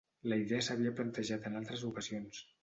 La idea s'havia plantejat en altres ocasions.